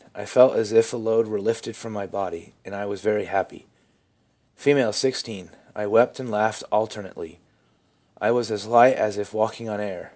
I felt as if a load were lifted from my body, and I was very happy.' FEELING FOLLOWING CONVERSION 121 F„ 16. ■ I wept and laughed alternately. I was as light as if walking on air.